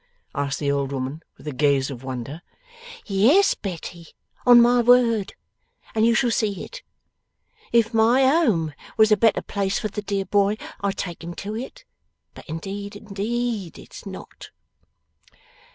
asked the old woman, with a gaze of wonder. 'Yes, Betty, on my word, and you shall see it. If my home was a better place for the dear boy, I'd take him to it; but indeed indeed it's not.